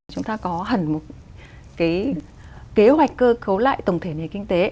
chúng ta có hẳn một cái kế hoạch cơ cấu lại tổng thể nền kinh tế